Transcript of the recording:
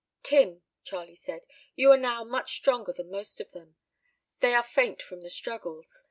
"Tim," Charlie said, "you are now much stronger than most of them. They are faint from the struggles.